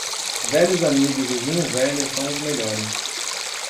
Velhos amigos e vinho velho são os melhores.